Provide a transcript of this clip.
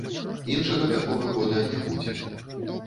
Іншага такога года не будзе.